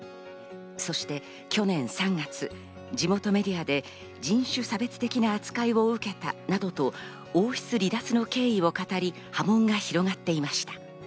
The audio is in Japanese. そして去年３月、地元メディアで人種差別的な扱いを受けたなどと王室離脱の経緯を語り、波紋が広がっていました。